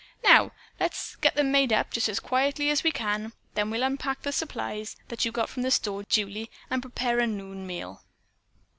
Now, let's get them made up, just as quietly as we can. Then we will unpack the supplies that you got from the store, Julie, and prepare a noon meal."